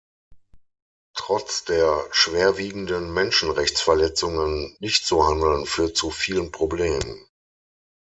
Trotz der schwerwiegenden Menschenrechtsverletzungen nicht zu handeln führt zu vielen Problemen.